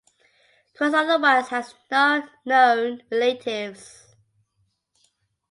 Cross otherwise has no known relatives.